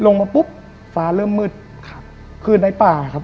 ลงมาปุ๊บฟ้าเริ่มมืดครับคือในป่าครับ